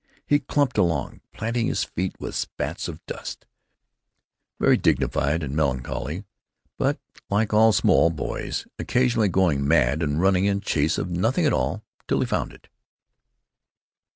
He clumped along, planting his feet with spats of dust, very dignified and melancholy but, like all small boys, occasionally going mad and running in chase of nothing at all till he found it.